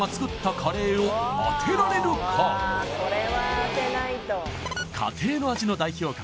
まずは家庭の味の代表格